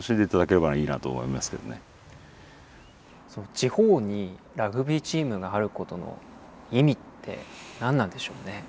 地方にラグビーチームがあることの意味って何なんでしょうね？